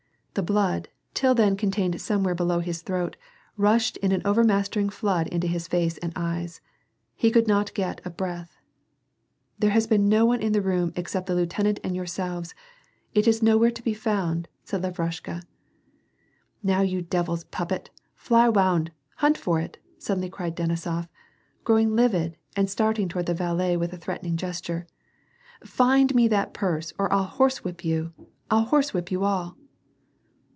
The blood, till then contained somewhere below his throat, rushed in an over mastering flood into his face and eyes. He could not get a breath. '^ There has been no one in the room except the lieutenant and yourselves. It's nowhere to be found," said Lavrushka. '•Now you devil's puppet, fly awound, hunt for it," suddenly cried Denisof, growing livid, and starting toward the valet with a threatening gesture. "Find me that purse or I'll horse whip you ! I'll horsewhip you all